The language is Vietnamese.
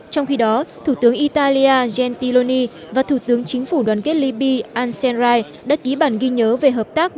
trong khi đó thủ tướng italia gentiloni và thủ tướng chính phủ đoàn kết libya al sinrai đã ký bản ghi nhớ về hợp tác